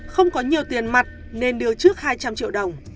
không có nhiều tiền mặt nên đưa trước hai trăm linh triệu đồng